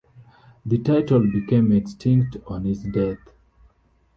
The title became extinct on his death.